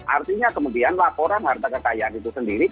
artinya kemudian laporan harta kekayaan itu sendiri